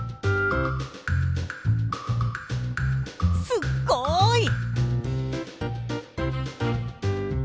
すっごい。